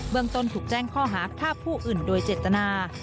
เมืองต้นถูกแจ้งข้อหาฆ่าผู้อื่นโดยเจตนา